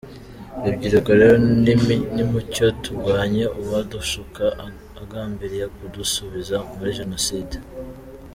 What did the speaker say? Rubyiruko rero nimucyo turwanye uwadushuka agambiriye kudusubiza muri Jenoside.